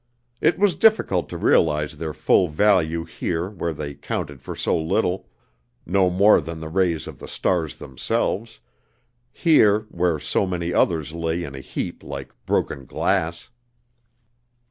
It was difficult to realize their full value here where they counted for so little, no more than the rays of the stars themselves, here where so many others lay in a heap like broken glass.